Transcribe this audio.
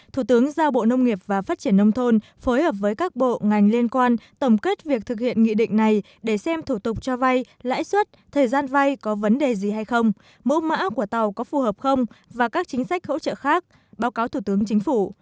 thủ tướng giao bộ nông nghiệp và phát triển nông thôn phối hợp với các bộ ngành liên quan tổng kết việc thực hiện nghị định này để xem thủ tục cho vay lãi suất thời gian vay có vấn đề gì hay không mẫu mã của tàu có phù hợp không và các chính sách hỗ trợ khác báo cáo thủ tướng chính phủ